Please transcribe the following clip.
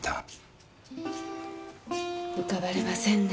浮かばれませんね。